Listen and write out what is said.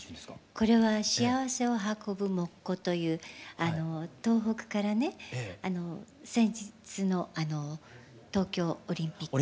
これは幸せを運ぶ「モッコ」という東北からね先日の東京オリンピック。